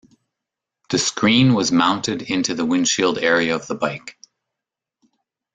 The screen was mounted into the windshield area of the bike.